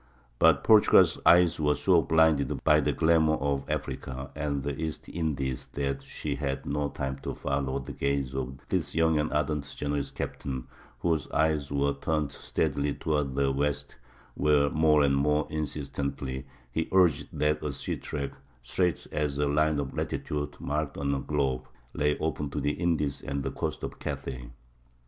But Portugal's eyes were so blinded by the glamour of Africa and the East Indies that she had no time to follow the gaze of this young and ardent Genoese captain whose eyes were turned steadily toward the west, where, more and more insistently, he urged that a sea track, straight as a line of latitude marked on a globe, lay open to the Indies and the coasts of Cathay.